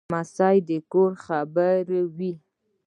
لمسی د کور خبره وي.